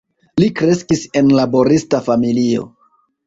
Li kreskis en laborista familio.